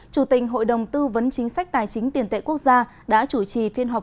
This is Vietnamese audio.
chủ tình hội đồng tư vấn chính sách tài chính tiền tệ quốc gia đã chủ trì phiên họp